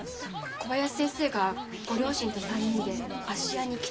小林先生がご両親と３人で芦屋に来てくださいって。